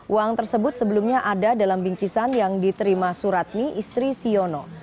uang tersebut sebelumnya ada dalam bingkisan yang diterima suratni istri siono